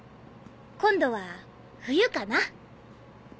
今度は冬かな。